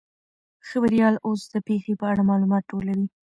خبریال اوس د پیښې په اړه معلومات ټولوي.